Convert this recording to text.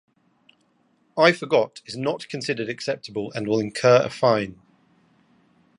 "I forgot" is not considered acceptable and will incur a fine.